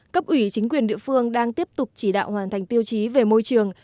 cấp ủy chính quyền địa phương đang tiếp tục chỉ đạo hoàn thành tiêu chí về môi trường